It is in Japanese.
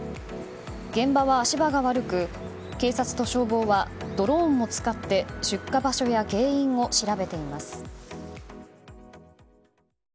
現場は足場が悪く、警察と消防はドローンも使って出火場所や原因を調べています。